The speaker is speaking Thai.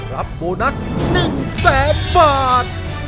รับโบนัส๑๐๐๐๐๐บาท